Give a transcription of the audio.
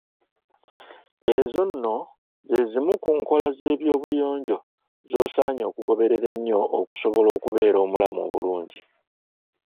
Ezo nno ze zimu ku nkola z'ebyobuyonjo z'osaanye okugoberera ennyo okusobola okubeera omulamu obulungi